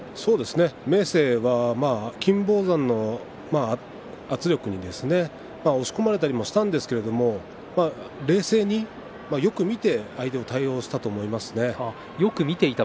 明生は金峰山の圧力に押し込まれたりもしたんですが冷静によく見て相手に対応したと思います。